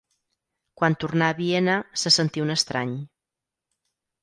Quan tornà a Viena, se sentí un estrany.